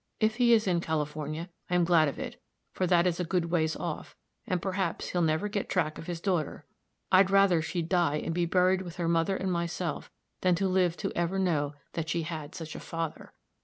If he is in California, I am glad of it; for that is a good ways off, and perhaps he'll never get track of his daughter. I'd far rather she'd die and be buried with her mother and myself, than to live to ever know that she had such a father.